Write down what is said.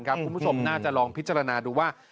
คุณผู้ชมน่าจะลองพิจารณาดูว่า